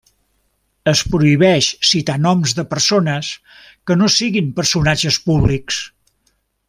Es prohibeix citar noms de persones que no siguin personatges públics.